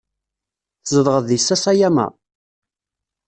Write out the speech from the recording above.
Tzedɣeḍ di Sasayama?